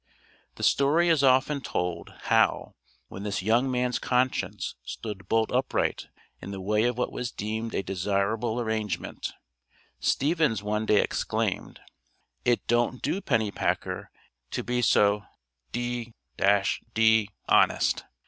The story is often told, how, when this young man's conscience stood bolt upright in the way of what was deemed a desirable arrangement, Stevens one day exclaimed: "It don't do, Pennypacker, to be so d d honest."